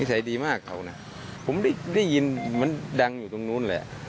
ใส่ดีมากเขานะผมได้ยินเหมือนดังอยู่ตรงนู้นแหละ